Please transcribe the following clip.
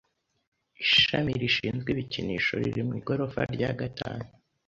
Ishami rishinzwe ibikinisho riri mu igorofa rya gatanu.